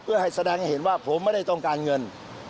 เพื่อให้แสดงให้เห็นว่าผมไม่ได้ต้องการเงิน